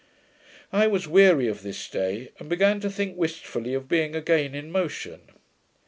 I was weary of this day, and began to think wishfully of being again in motion.